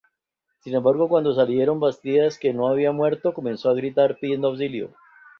Sin embargo, cuando salieron, Bastidas, que no había muerto, comenzó a gritar pidiendo auxilio.